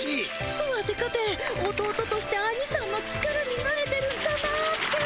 ワテかて弟としてアニさんの力になれてるんかなって。